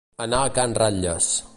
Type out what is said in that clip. Anar a can Ratlles.